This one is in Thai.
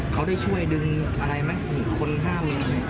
เขาได้ช่วยดึงอะไรไหมหรือคนห้ามหนี